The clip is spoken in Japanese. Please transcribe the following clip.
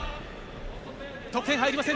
得点、入りません。